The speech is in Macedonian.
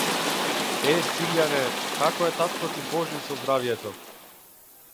Е, Силјане, како е татко ти Божин со здравјето?